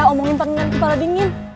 omongin pengen kepala dingin